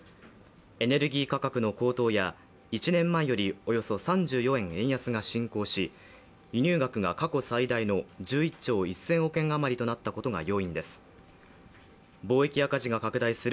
エネルギー価格の高騰や１年前よりおよそ３４円円安が進行し輸入額が過去最大の１１兆１０００億円あまりとなったことが要因です。